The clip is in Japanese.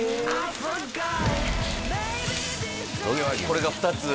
これが２つ？